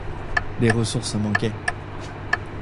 Les ressources manquaient.